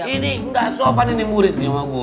ini nggak sopan ini murid